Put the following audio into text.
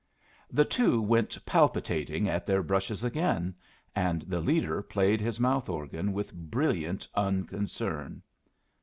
The two went palpitating at their brushes again, and the leader played his mouth organ with brilliant unconcern.